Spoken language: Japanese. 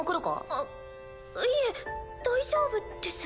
あっいえ大丈夫です。